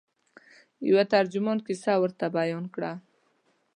یوه ترجمان کیسه ورته بیان کړه.